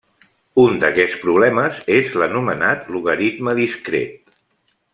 Un d'aquests problemes és l'anomenat logaritme discret.